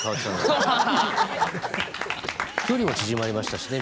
距離も縮まりましたしね。